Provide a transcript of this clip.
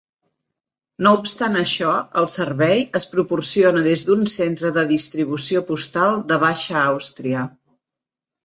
No obstant això, el servei es proporciona des d'un centre de distribució postal de Baixa Àustria.